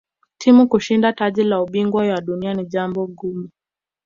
timu kushinda taji la ubingwa wa dunia ni jambo gumu